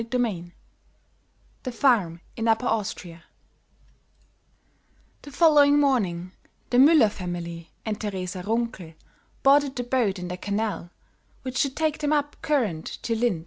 CHAPTER III THE FARM IN UPPER AUSTRIA THE following morning the Müller family and Teresa Runkel boarded the boat in the Canal which should take them up current to Linz.